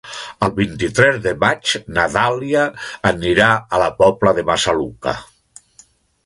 El vint-i-tres de maig na Dàlia anirà a la Pobla de Massaluca.